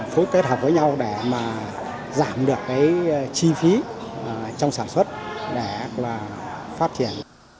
phối kết hợp với nhau để giảm được chi phí trong sản xuất để phát triển